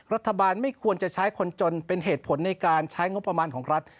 รัฐบาลไม่ควรจะใช้คนจนเป็นเหตุผลในการใช้งบประมาณของรัฐ